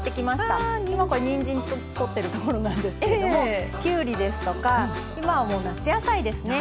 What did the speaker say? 今これにんじん取ってるところなんですけどもきゅうりですとか今はもう夏野菜ですね。